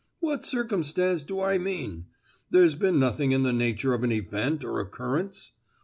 "What circumstance do I mean? There's been nothing in the nature of an event or occurrence!"